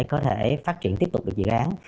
có thể phát triển tiếp tục được dự án